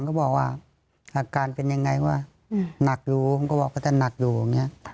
เขาบอกว่าอาการเป็นยังไงวะหนักอยู่ผมก็บอกเขาจะหนักอยู่อย่างนี้